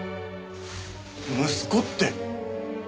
息子って。